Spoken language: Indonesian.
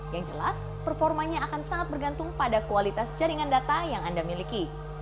yang jelas performanya akan sangat bergantung pada kualitas jaringan data yang anda miliki